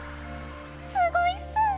すごいっす！